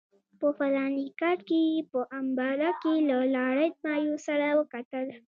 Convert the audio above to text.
په فلاني کال کې یې په امباله کې له لارډ مایو سره وکتل.